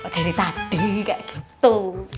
dari tadi kak gitu